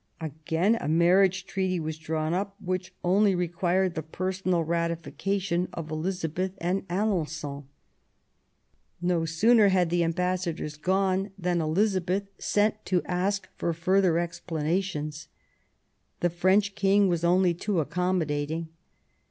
Again a marriage treaty was drawn up, which only required the personal ratification of Elizabeth and Alen9on. No sooner had the ambassadors gone than Elizabeth sent to ask for further explanations. The French King was only too accommodating.